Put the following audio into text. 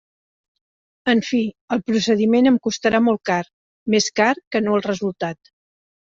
En fi, el procediment em costarà molt car, més car que no el resultat.